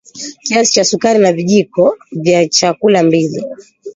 kiasi cha sukari ni vijiko vya chakula mbili